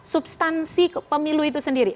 substansi pemilu itu sendiri